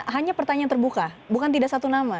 hanya pertanyaan terbuka bukan tidak satu nama